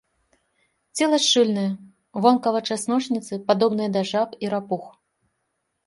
Цела шчыльнае, вонкава часночніцы падобныя да жаб і рапух.